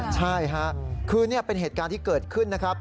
ใช่ค่ะคือนี่เป็นเหตุการณ์ที่เกิดขึ้นนะครับ